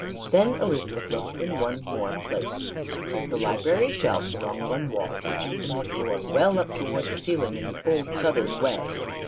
Then Elizabeth looked in one more place. The library had shelves along one wall reaching from the floor well up toward the ceiling in the old Southern way.